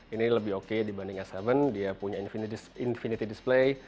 ini lebih oke dibanding s tujuh dia punya infinity display